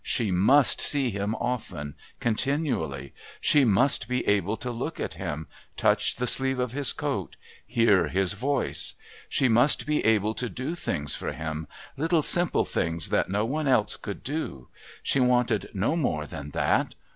She must see him often, continually. She must be able to look at him, touch the sleeve of his coat, hear his voice. She must be able to do things for him, little simple things that no one else could do. She wanted no more than that.